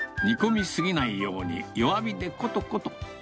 煮込み過ぎないように弱火でことこと。